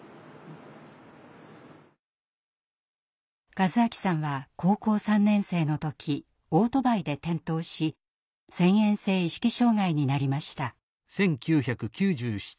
和明さんは高校３年生の時オートバイで転倒し遷延性意識障害になりました。